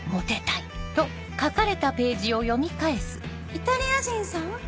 イタリア人さん？